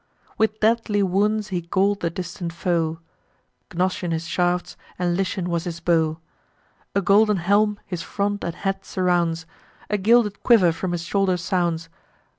With deadly wounds he gall'd the distant foe; Gnossian his shafts, and Lycian was his bow: A golden helm his front and head surrounds A gilded quiver from his shoulder sounds.